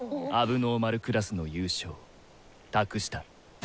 問題児クラスの優勝託した。